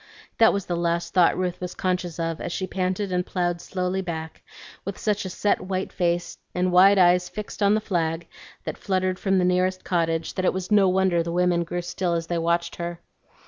That was the last thought Ruth was conscious of, as she panted and ploughed slowly back, with such a set white face and wide eyes fixed on the flag that fluttered from the nearest cottage, that it was no wonder the women grew still as they watched her.